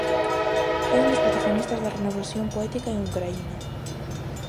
É un dos protagonistas da renovación poética en Ucraína.